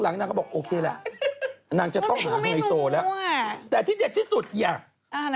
อ๋อหลังนางก็บอกโอเคแหละนางจะต้องหาให้หัวแต่ที่เด็ดที่สุดอย่างอ่า